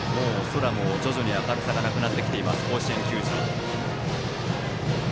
空も徐々に明るさがなくなってきている甲子園球場。